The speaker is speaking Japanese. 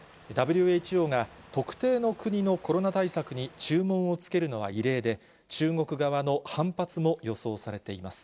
ＷＨＯが特定の国のコロナ対策に注文をつけるのは異例で、中国側の反発も予想されています。